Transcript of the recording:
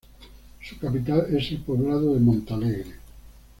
Su capital es el poblado de Monte Alegre.